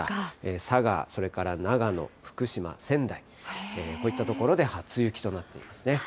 佐賀、そして長野、福島、仙台、こういった所で初雪となっていますね。